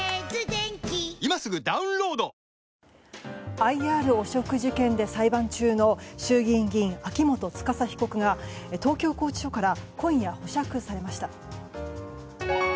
ＩＲ汚職事件で裁判中の衆議院議員、秋元司被告が東京拘置所から今夜、保釈されました。